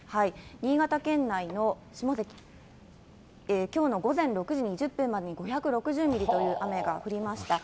新潟県内の下関、きょうの午前６時２０分までに５６０ミリという雨が降りました。